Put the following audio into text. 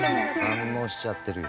反応しちゃってるよ。